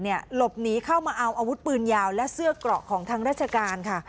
หลบหนีเข้ามาเอาอาวุธปืนยาวและเสื้อเกราะของทางราชการค่ะ